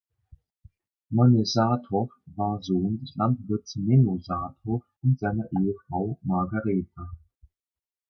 Manne Saathoff war Sohn des Landwirts Menno Saathoff und seiner Ehefrau Margareta.